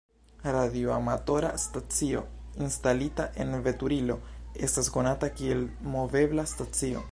Radioamatora stacio instalita en veturilo estas konata kiel movebla stacio.